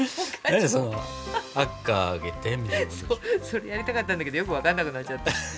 それやりたかったんだけどよく分かんなくなっちゃった。